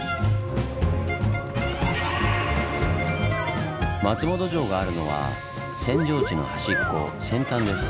扇状地とは松本城があるのは扇状地の端っこ「扇端」です。